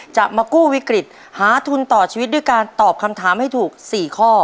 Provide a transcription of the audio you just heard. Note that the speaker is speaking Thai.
จะมากู้วิกฤตหาทุนต่อชีวิตด้วยการตอบคำถามให้ถูก๔ข้อ